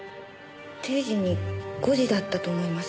定時に５時だったと思います。